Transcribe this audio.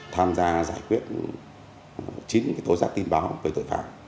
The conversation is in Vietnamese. tham gia giải quyết chín tố giác tin báo về tội phạm